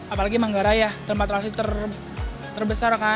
apalagi manggaraya tempat relasi terbesar kan